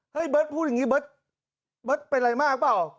เฮ้ยเบิร์ตพูดอย่างนี้เบิร์ตเป็นอะไรมากเปล่า